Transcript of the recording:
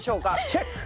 チェック！